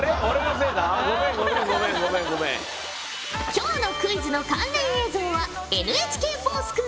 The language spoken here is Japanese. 今日のクイズの関連映像はＮＨＫｆｏｒＳｃｈｏｏｌにあるぞ。